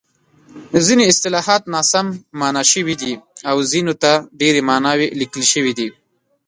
ځیني اصطلاحات ناسم مانا شوي دي او ځینو ته ډېرې ماناوې لیکل شوې دي.